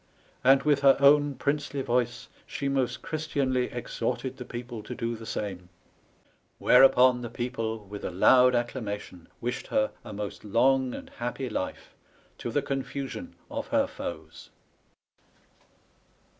And with her own Pryncely voyce she most Ghristianly exhorted the people to do the same : whereupon the people with a loud accla mation wished her a most long and happy life, to the confusion of her foes."